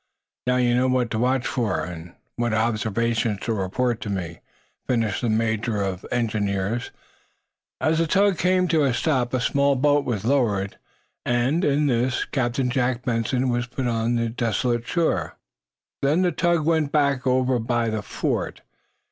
"Now, you know what to watch for, and what observations, to report to me," finished the major of engineers, as the tug came to a stop. A small boat was lowered, and, in this, Captain Jack Benson was put on the desolate shore. Then the tug went back over by the fort.